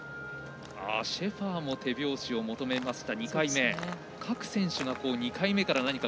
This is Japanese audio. シェファーも手拍子を求めました。